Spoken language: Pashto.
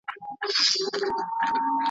آیا دغه ناروغي په اسانۍ سره خپریږي؟